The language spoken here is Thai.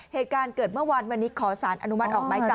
เหตุการณ์เกิดเมื่อวานวันนี้ขอสารอนุมัติออกไม้จับ